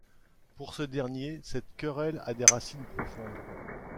Pour ce dernier cette querelle a des racines profondes.